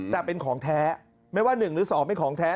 แต่เป็นของแท้ไม่ว่า๑หรือ๒เป็นของแท้